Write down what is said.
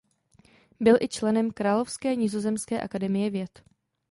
Byl i členem Královské nizozemské akademie věd.